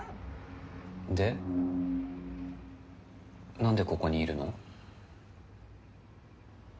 何でここにいるの？